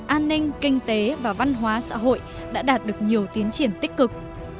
an ninh kinh tế và văn hóa xã hội đã đạt được nhiều tiến triển tích cực